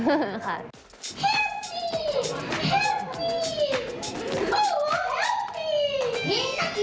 โอ้วแฮลฟปี้